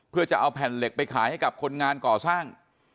เพื่อจะเอาแผ่นเหล็กไปขายให้กับคนงานก่อสร้าง